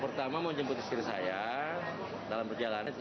pertama mau jemput istri saya dalam perjalanan